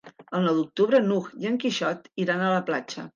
El nou d'octubre n'Hug i en Quixot iran a la platja.